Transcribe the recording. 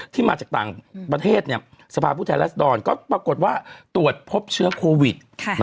ที่มาจากต่างประเทศสภาพผู้แทนรัศดรก็ปรากฏว่าตรวจพบเชื้อโควิด